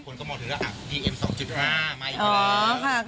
คุณก็เหมาะถือแล้วอ่ะดีเอ็มสองจุดอ่าอ๋อค่ะ